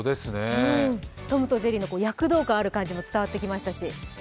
「トムとジェリー」の躍動感がある感じも伝わってきましたし。